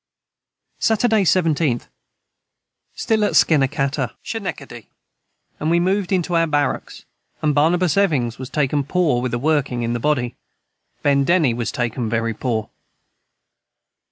] Saturday 17th. Stil at Schenacata and we moved into our Barrocks and Barnabas Evings was taken poor with a working in the Body Ben denny was taken very poor.